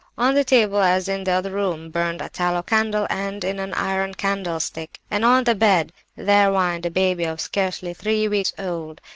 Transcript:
"On the table, as in the other room, burned a tallow candle end in an iron candlestick; and on the bed there whined a baby of scarcely three weeks old.